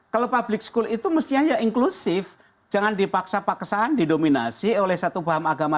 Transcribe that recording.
kalau public school itu mestinya inklusif jangan dipaksa paksaan didominasi oleh satu paham agama